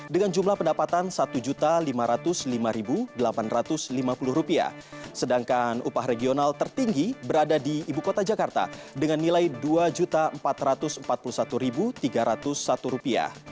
dengan jumlah pendapatan rp satu lima ratus lima delapan ratus lima puluh sedangkan upah regional tertinggi berada di ibu kota jakarta dengan nilai rp dua empat ratus empat puluh satu tiga ratus satu